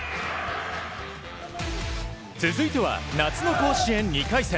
続いては夏の甲子園２回戦。